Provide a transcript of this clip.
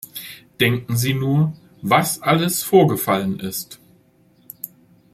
Denken Sie nur, was alles vorgefallen ist.